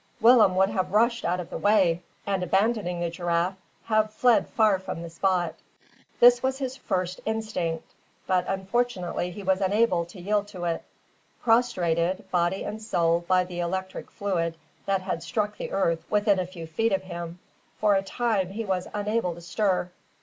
Willem would have rushed out of the way, and, abandoning the giraffe, have fled far from the spot. This was his first instinct, but unfortunately he was unable to yield to it. Prostrated, body and soul, by the electric fluid, that had struck the earth within a few feet of him, for a time he was unable to stir.